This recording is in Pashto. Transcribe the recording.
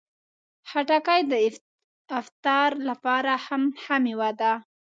خټکی د افطار لپاره هم ښه مېوه ده.